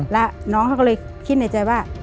แล้วน้องเขาก็เลยคิดในใจว่า